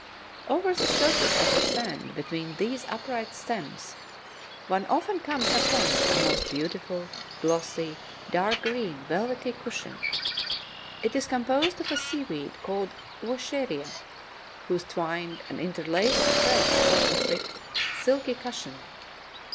Over the surface of the sand between these upright stems, one often comes upon a most beautiful, glossy, dark green, velvety cushion. It is composed of a seaweed called Vaucheria, whose twined and interlaced threads form a thick, silky cushion.